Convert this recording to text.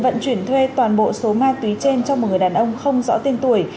vận chuyển thuê toàn bộ số ma túy trên cho một người đàn ông không rõ tên tuổi